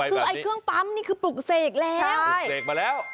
ไอ้เครื่องปั๊มนี่คือปลูกตะเสดแล้ว